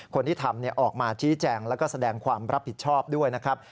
คนที่ทำออกมาชี้แจงแล้วก็แสดงความรับผิดชอบด้วยนะครับ